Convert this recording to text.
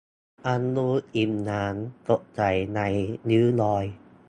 ยังดูอิ่มน้ำ สดใสไร้ริ้วรอย